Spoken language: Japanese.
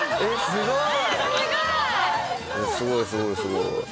すごい。